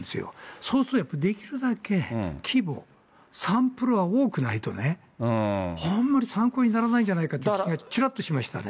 そうするとやっぱり、できるだけ規模、サンプルは多くないとね、あんまりサンプルにならんじゃないかという気がちらっとしましたね。